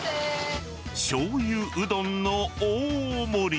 しょうゆうどんの大盛り。